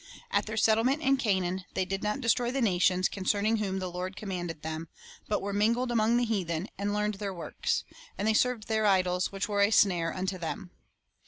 At their settlement in Canaan "they did not destroy the nations, concerning whom the Lord commanded them; but were mingled among the heathen, and learned their works. And they served their idols, which were a snare unto them."